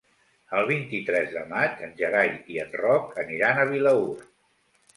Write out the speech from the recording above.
El vint-i-tres de maig en Gerai i en Roc aniran a Vilaür.